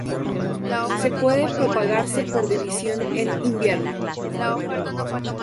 Se puede propagarse por división en invierno.